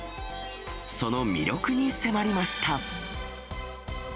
その魅力に迫りました。